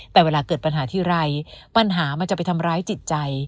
แต่เวลาเกิดปัญหาทีไรปัญหามันจะไปทำร้ายจิตใจ